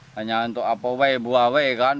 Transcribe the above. hanya untuk apa weh buah weh kan